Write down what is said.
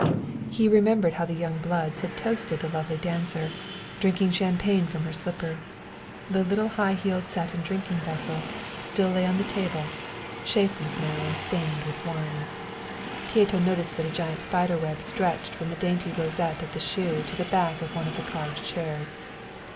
He remembered how the young bloods had toasted the lovely dancer, drinking champagne from her slipper. The little high heeled satin drinking vessel still lay on the table, shapeless now and stained with wine. Pieto noticed that a giant spider web stretched from the dainty rosette of the shoe to the back of one of the carved chairs.